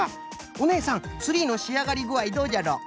おねえさんツリーのしあがりぐあいどうじゃろ？